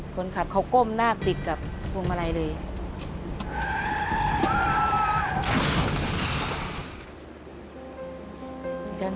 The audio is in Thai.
คนขับเขาก้มหน้าติดกับพวงมาลัยเลย